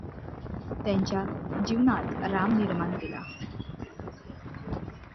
त्यांच्या जीवनात राम निर्माण केला.